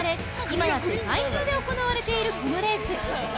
今や世界中で行われているこのレース。